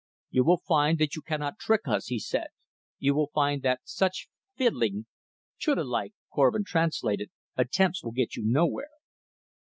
"You will find that you cannot trick us," he said. "You will find that such fiddling" chulad like Korvin translated "attempts will get you nowhere."